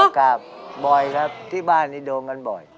กราบบ่อยครับที่บ้านนี้โดนกันบ่อย